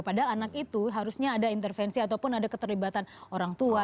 padahal anak itu harusnya ada intervensi ataupun ada keterlibatan orang tua